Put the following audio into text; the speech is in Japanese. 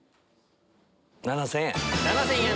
７０００円。